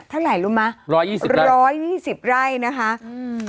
เท่าไหร่รู้มะ๑๒๐ไร่นะคะอือ